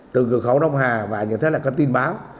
từ cửa khẩu đông hà và như thế là có tin báo